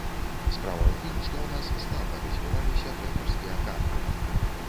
Справа ў тым, што ў нас слаба развіваліся трэнерскія кадры.